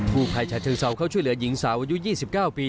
ผู้ภัยฉะเชิงเซาเข้าช่วยเหลือหญิงสาวอายุ๒๙ปี